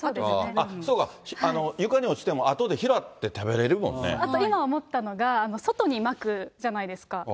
そうか、床に落ちてもあとで今思ったのが、外にまくじゃないですか。